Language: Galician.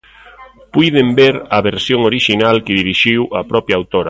Puiden ver a versión orixinal que dirixiu a propia autora.